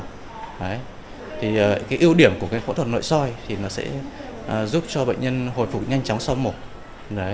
thì cái ưu điểm của cái phẫu thuật nội soi thì nó sẽ giúp cho bệnh nhân hồi phục nhanh chóng sau mổ